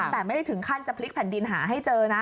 แต่ไม่ได้ถึงขั้นจะพลิกแผ่นดินหาให้เจอนะ